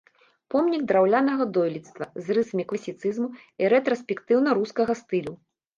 Помнік драўлянага дойлідства з рысамі класіцызму і рэтраспектыўна-рускага стылю.